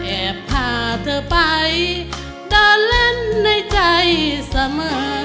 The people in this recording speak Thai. แอบพาเธอไปเดินเล่นในใจเสมอ